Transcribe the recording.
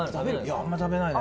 「あんまり食べないね」